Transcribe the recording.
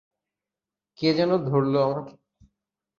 কে যেন ধরল আমাকে।